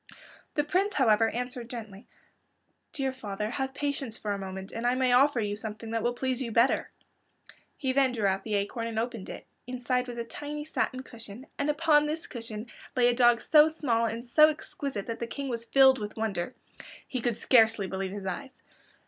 The Prince, however, answered gently, "Dear father, have patience for a moment and I may offer you something that will please you better." He then drew out the acorn and opened it. Inside it was a tiny satin cushion, and upon this cushion lay a dog so small and so exquisite that the King was filled with wonder. He could scarcely believe his eyes.